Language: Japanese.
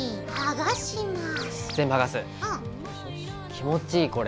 気持ちいいこれ。